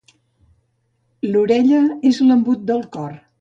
L'orella és l'embut del cor.